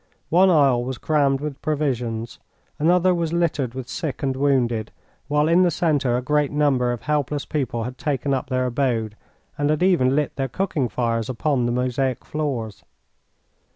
One aisle was crammed with provisions, another was littered with sick and wounded, while in the centre a great number of helpless people had taken up their abode, and had even lit their cooking fires upon the mosaic floors.